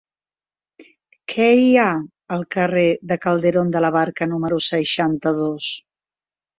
Què hi ha al carrer de Calderón de la Barca número seixanta-dos?